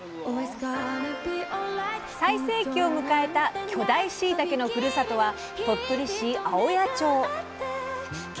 最盛期を迎えた巨大しいたけのふるさとは鳥取市青谷町。